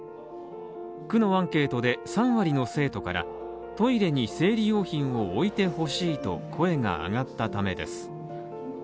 区のアンケートで、３割の生徒からトイレに生理用品をおいてほしいと声が上がったためです。